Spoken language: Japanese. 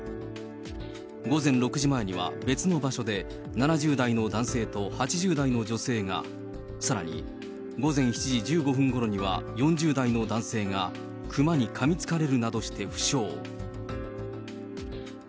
午前６時前には別の場所で、７０代の男性と８０代の女性が、さらに午前７時１５分ごろには、４０代の男性が熊にかみつかれるなどして負傷。